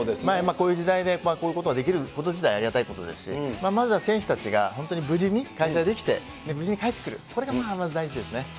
今、こういう時代でこういうことができること自体ありがたいことですし、まずは選手たちが本当に無事に開催できて、無事に帰ってくる、これが第一ですね。